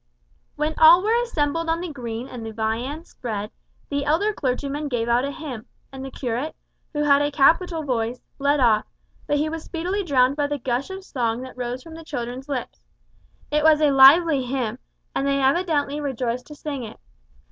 When all were assembled on the green and the viands spread, the elder clergyman gave out a hymn; and the curate, who had a capital voice, led off, but he was speedily drowned by the gush of song that rose from the children's lips. It was a lively hymn, and they evidently rejoiced to sing it.